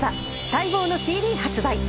待望のＣＤ発売！